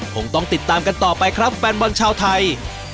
คงต้องติดตามกันต่อไปครับแฟนบอลชาวไทย